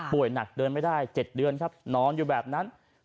หนักเดินไม่ได้๗เดือนครับนอนอยู่แบบนั้น